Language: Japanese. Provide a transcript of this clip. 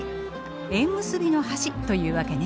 縁結びの橋というわけね。